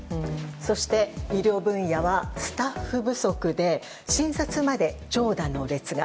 そして医療分野はスタッフ不足で診察まで長蛇の列が。